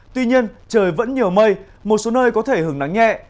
tuy nhiên trời vẫn nhiều mây một số nơi có thể hứng nắng nhẹ